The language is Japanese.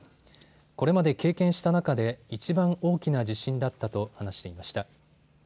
これまで経験した中でいちばん大きな地震だったと話していました。